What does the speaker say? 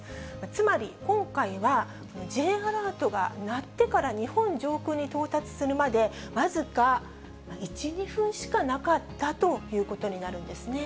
つまり今回は、Ｊアラートが鳴ってから日本上空に到達するまで、僅か１、２分しかなかったということになるんですね。